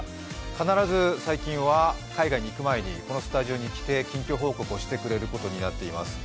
必ず最近は海外に行く前に、このスタジオに来て近況報告をしてくれることになっています。